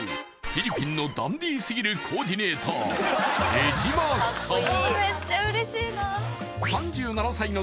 フィリピンのダンディすぎるコーディネーター江島さん